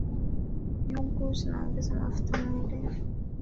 Nyugu zinaongeza mafuta muilini